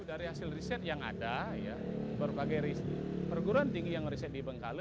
dari hasil riset yang ada berbagai perguruan tinggi yang riset di bengkale